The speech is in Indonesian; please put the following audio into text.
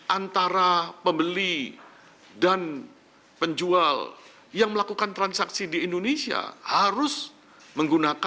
antara pembeli dan penjual yang melakukan transaksi di indonesia harus menggunakan